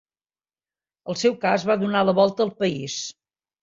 El seu cas va donar la volta al país.